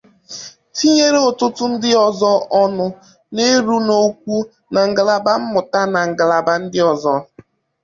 tinyere ọtụtụ ndị ọzọ ọnụ na-eru n'okwu na ngalaba mmụta na ngalaba ndị ọzọ